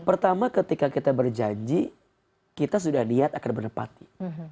pertama ketika kita berjanji kita sudah niat akan menepati